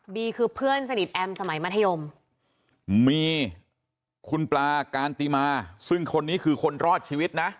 คือเพื่อนสนิทแอมสมัยมัธยมมีคุณปลาการติมาซึ่งคนนี้คือคนรอดชีวิตนะ